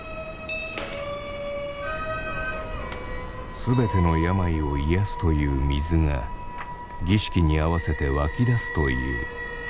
全ての病を癒やすという水が儀式に合わせて湧き出すという。